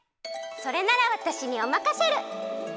それならわたしにおまかシェル！